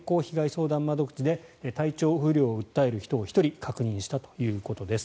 相談窓口で体調不良を訴える人を１人確認したということです。